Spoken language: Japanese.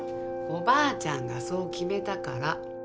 おばあちゃんがそう決めたから。